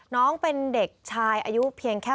น้องเป็นเด็กชายอายุเพียงแค่